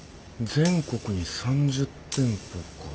全国に３０店舗か。